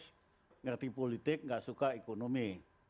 mengerti politik tidak suka ekonomi